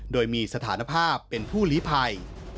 โดยมีสถานภาพเป็นผู้ลิภัย